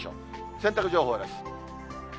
洗濯情報です。